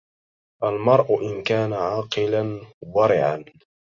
المرء إن كان عاقلا ورعاً